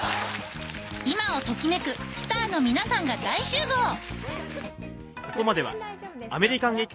今を時めくスターの皆さんが大集合！